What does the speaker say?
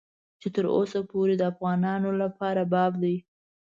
چې تر اوسه پورې د افغانانو لپاره باب دی.